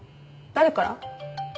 誰から？